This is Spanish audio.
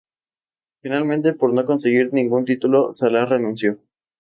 Finalmente, por no conseguir ningún título, Salah renunció.